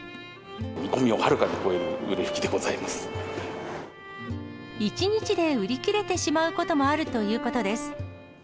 見込みをはるかに超える売れ１日で売り切れてしまうこともあるということです。